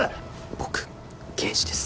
僕刑事です。